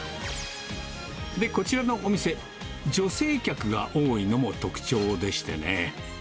こちらのお店、女性客が多いのも特徴でしてね。